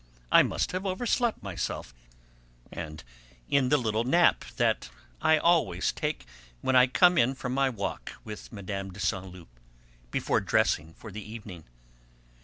I must have overslept myself, in the little nap which I always take when I come in from my walk with Mme. de Saint Loup, before dressing for the evening.